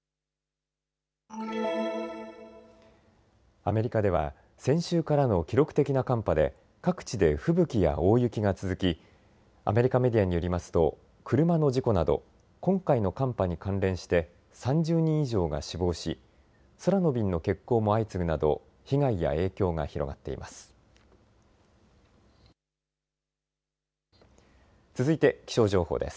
アメリカでは先週からの記録的な寒波で各地で吹雪や大雪が続きアメリカメディアによりますと車の事故など今回の寒波に関連して３０人以上が死亡し空の便の欠航も相次ぐなど被害や影響が広がっています。